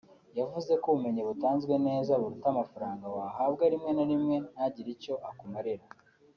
yavuze ko ubumenyi butanzwe neza buruta amafaranga wahabwa rimwe na rimwe ntagire icyo akumarira